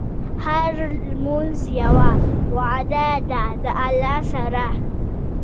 هره لمونځ یوه وعده ده د الله سره.